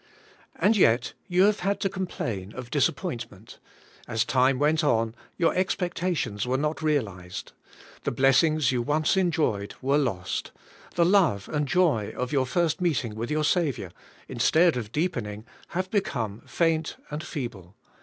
And yet you have had to complain of disappoint ment: as time went on, your expectations were not realized. The blessings you once enjoyed were lost; the love and joy of your first meeting with your Sa viour, instead of deepening, have become faint and feeble.